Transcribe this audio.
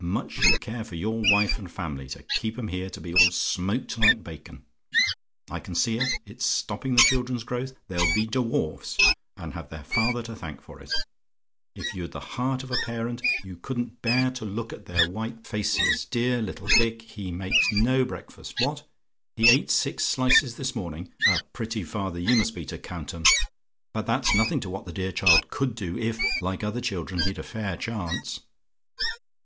Much you care for your wife and family to keep 'em here to be all smoked like bacon. I can see it it's stopping the children's growth; they'll be dwarfs, and have their father to thank for it. If you'd the heart of a parent, you couldn't bear to look at their white faces. Dear little Dick! he makes no breakfast. What! "HE ATE SIX SLICES THIS MORNING? "A pretty father you must be to count 'em. But that's nothing to what the dear child could do, if, like other children, he'd a fair chance.